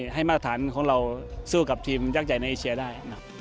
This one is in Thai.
มาตรฐานของเราสู้กับทีมยักษ์ใหญ่ในเอเชียได้